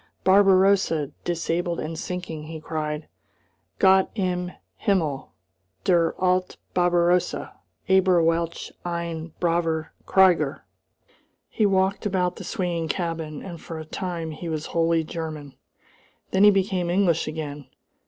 "Barbarossa disabled and sinking," he cried. "Gott im Himmel! Der alte Barbarossa! Aber welch ein braver krieger!" He walked about the swinging cabin, and for a time he was wholly German. Then he became English again.